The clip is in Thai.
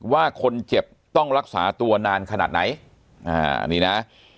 ว่าคนเจ็บต้องรักษาตัวนานขนาดไหนอ่านี่นะ